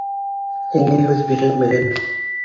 Һиңә һүҙ бирелмәгән!